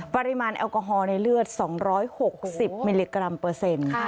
ปริมาณแอลกอฮอล์ในเลือด๒๖๐มิลลิกรัมเปอร์เซ็นต์